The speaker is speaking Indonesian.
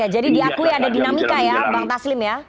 jadi diakui ada dinamika ya bang taslim ya